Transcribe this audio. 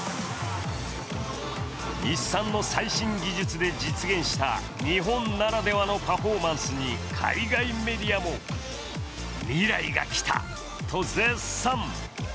日産の最新技術で実現した日本ならではのパフォーマンスに海外メディアも未来が来た、と絶賛。